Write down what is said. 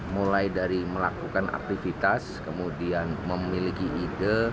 mulai dari melakukan aktivitas kemudian memiliki ide